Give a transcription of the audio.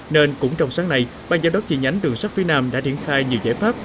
nên cũng trong sáng nay ban giám đốc chi nhánh đường sắt phía nam đã triển khai nhiều giải pháp